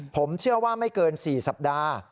ผมเชื่อว่าไม่เกิน๔สัปดาห์